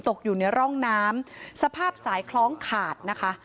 ตกอยู่ในร่องน้ำสภาพสายคล้องขาดนะคะ